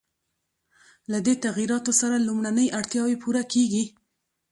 له دې تغییراتو سره لومړنۍ اړتیاوې پوره کېږي.